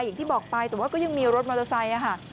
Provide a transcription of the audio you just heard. อย่างที่บอกไปแต่ว่าก็ยังมีรถมอเตอร์ไซค์ค่ะ